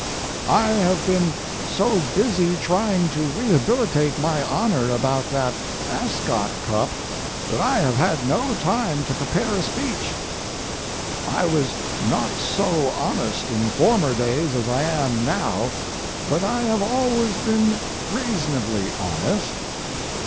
I have been so busy trying to rehabilitate my honor about that Ascot Cup that I have had no time to prepare a speech. I was not so honest in former days as I am now, but I have always been reasonably honest.